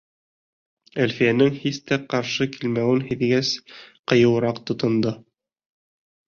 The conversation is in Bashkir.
Әлфиәнең һис тә ҡаршы килмәүен һиҙгәс, ҡыйыуыраҡ тотондо.